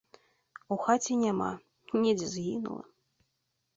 У хаце няма, недзе згінула.